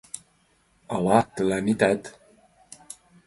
Ала тыланетат.